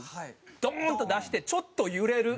ドーン！と出してちょっと揺れる。